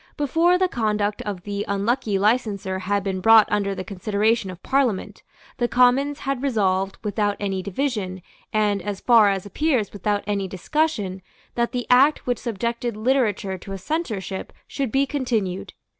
Before the conduct of the unlucky licenser had been brought under the consideration of Parliament, the Commons had resolved, without any division, and, as far as appears, without any discussion, that the Act which subjected literature to a censorship should be continued.